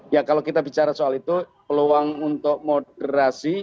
ya kalau kita bicara soal itu peluang untuk moderasi